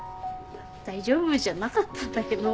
大丈夫じゃなかったんだけど。